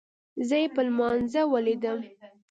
زه يې په لمانځه وليدم.